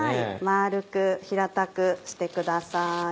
丸く平たくしてください。